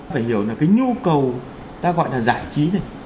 phải hiểu là cái nhu cầu ta gọi là giải trí này